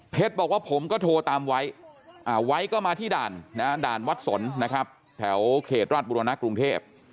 บอกว่าผมก็โทรตามไว้ไว้ก็มาที่ด่านด่านวัดสนนะครับแถวเขตราชบุรณะกรุงเทพ